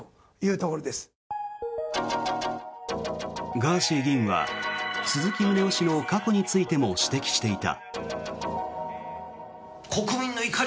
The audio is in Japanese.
ガーシー議員は鈴木宗男氏の過去についても指摘していた。